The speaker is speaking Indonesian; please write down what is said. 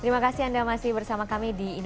terimakasih anda masih bersama kami di indoneia tv